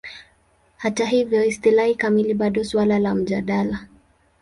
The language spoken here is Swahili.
Hata hivyo, istilahi kamili bado suala la mjadala.